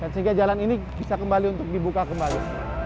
sehingga jalan ini bisa kembali untuk dibuka kembali